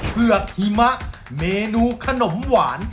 เผือกหิมะเมนูขนมหวาน